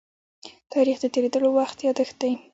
تاریخ د تېرېدلو وخت يادښت دی.